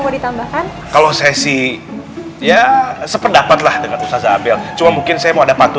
mau ditambahkan kalau sesi ya sependapatlah dengan usaha ambil cuma mungkin saya mau dapat